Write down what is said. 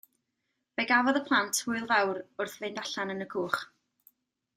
Fe gafodd y plant hwyl fawr wrth fynd allan yn y cwch.